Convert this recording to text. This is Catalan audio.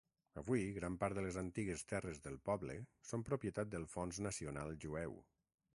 Avui, gran part de les antigues terres del poble són propietat el Fons Nacional Jueu.